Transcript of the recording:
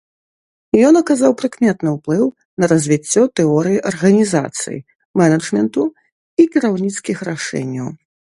Ён аказаў прыкметны ўплыў на развіццё тэорыі арганізацыі, менеджменту і кіраўніцкіх рашэнняў.